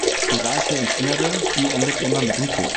Die Reise ins Innere, die endet immer mit dem Tod.